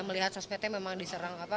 melihat sosmed memang diserang apa